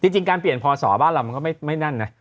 จริงการเปลี่ยนพศบ้านเรามันก็ไม่แน่นนะ